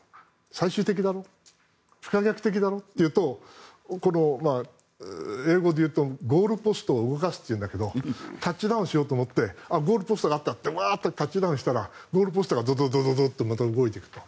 最終的だろと不可逆的だろというと英語で言うとゴールポストを動かすと言うんだけどタッチダウンしようと思ってゴールポストがあったと思ってワーッとタッチダウンしたらゴールポストがドドドッとまた動いていくと。